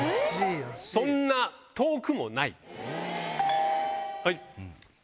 そんな遠くもない。